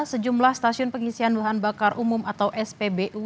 sejumlah stasiun pengisian bahan bakar umum atau spbu